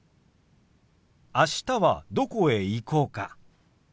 あしたはどこへ行こうか？